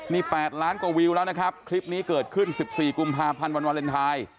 นี่๘ล้านกว่าวิวแล้วนะครับคลิปนี้เกิดขึ้น๑๔กุมภาพันธ์วันวาเลนไทย